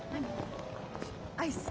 アイス。